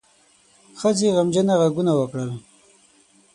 ښځې غمجنه غږونه وکړل.